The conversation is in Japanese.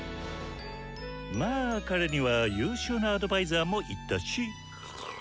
まあ彼には優秀なアドバイザーもいたし。